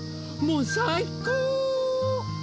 もうさいこう！